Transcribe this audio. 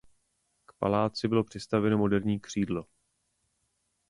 K paláci bylo přistavěno moderní křídlo.